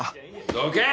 どけ！